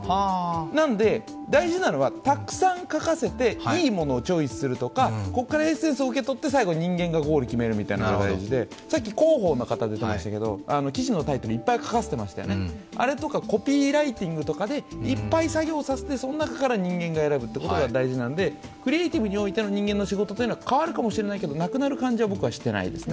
なので、大事なのはたくさん書かせていいものをチョイスするとか、ここからエッセンスを受け取って人間がゴールを決めるみたいな感じでさっき広報の方、出てましたけど、記事の文章をいっぱい書かせていましたよね、あれとかコピーライティングとかでいっぱい作業させてその中から人間が選ぶことが大事なので、クリエーティブにおいての人間の仕事は変わるかもしれないけどなくなる感じはしないですね。